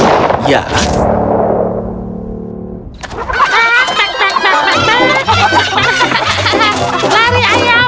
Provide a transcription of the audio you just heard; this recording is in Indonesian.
lari ayam lari